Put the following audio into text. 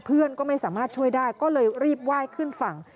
เพื่อนก็ไม่สามารถช่วยได้ก็เลยรีบไหว้ขึ้นฝั่ง